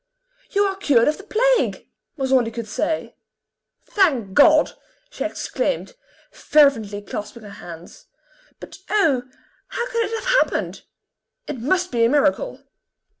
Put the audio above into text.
"You are cured of the plague!" was all he could say. "Thank God!" she exclaimed, fervently clasping her hands. "But oh! how can it have happened? It must be a miracle!"